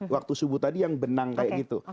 waktu subuh tadi yang benang kayak gitu